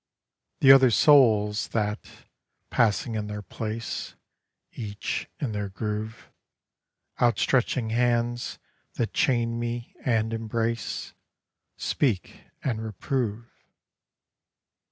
The other souls that, passing in their place, Each in their groove; Out stretching hands that chain me and embrace, Speak and reprove.